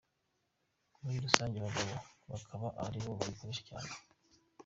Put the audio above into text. Muri rusange abagabo bakaba ari bo bayikoresha cyane.